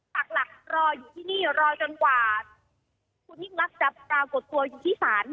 ปากหลักรออยู่ที่นี่รอจนกว่าคุณยิ่งรักจะปรากฏตัวอยู่ที่ศาล